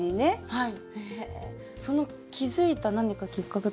はい。